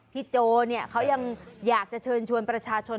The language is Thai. โจเนี่ยเขายังอยากจะเชิญชวนประชาชน